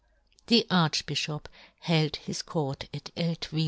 The Archbifhop held his court at Eltvil.